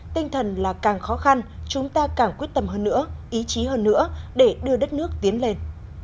tinh thần là càng khó khăn chúng ta càng quyết tâm hơn nữa ý chí hơn nữa để đưa đất nước tiến lên